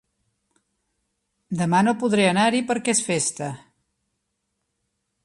Demà no podré anar-hi perquè és festa.